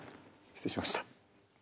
失礼しました。